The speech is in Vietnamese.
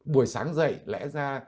buổi sáng dậy lẽ ra